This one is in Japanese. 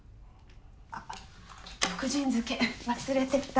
あっ福神漬忘れてた。